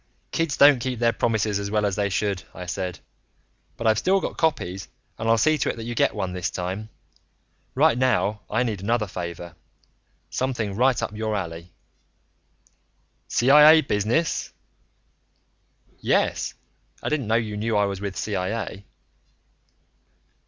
"Kids don't keep their promises as well as they should," I said. "But I've still got copies and I'll see to it that you get one, this time. Right now I need another favor something right up your alley." "CIA business?" "Yes. I didn't know you knew I was with CIA."